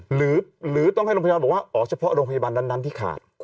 หรือต้องให้โรงพยาบาลบอกว่าอ๋อเฉพาะโรงพยาบาลนั้นที่ขาด